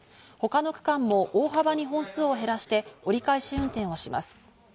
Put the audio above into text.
他の区間も大幅に本数を減らして折り返し運転をします。